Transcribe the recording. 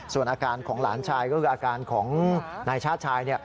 ส่วนอาการของหลานชายก็คืออาการของนายชาติชาย